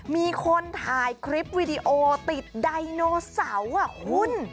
มีคนถ่ายคลิปวิดีโอติดไดโนเสาร์คุณ